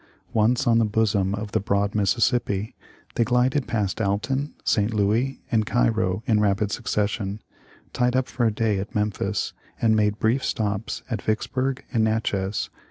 Once on the bosom of the broad Mis sissippi they glided past Alton, St. Louis, and Cairo in rapid succession, tied up for a day at Memphis, and made brief stops at Vicksburg and Natchez.